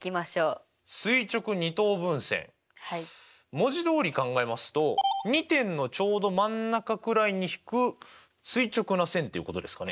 文字どおり考えますと２点のちょうど真ん中くらいに引く垂直な線っていうことですかね。